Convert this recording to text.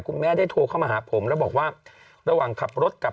คุณแม่ได้โทรเข้ามาหาผมแล้วบอกว่าระหว่างขับรถกลับ